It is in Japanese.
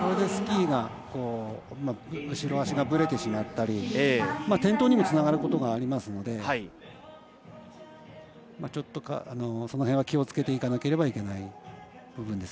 それでスキーが後ろ足が開いてしまって転倒にもつながることがありますのでちょっとその辺は気をつけなければいけない部分。